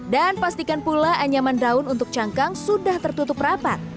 dan pastikan pula anyaman daun untuk cangkang sudah tertutup rapat